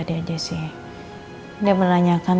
dan kita menikah